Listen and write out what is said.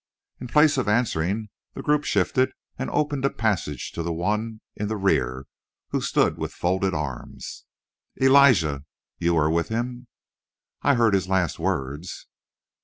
In place of answering the group shifted and opened a passage to the one in the rear, who stood with folded arms. "Elijah, you were with him?" "I heard his last words."